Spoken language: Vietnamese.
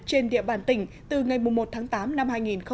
trên địa bàn tỉnh từ ngày một tháng tám năm hai nghìn một mươi bảy